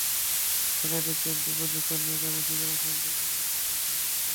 একাধিক ক্যাম্পে প্রশিক্ষণ নিয়ে তাঁরা ফিরে আসেন দেশের ভেতর যুদ্ধ করতে।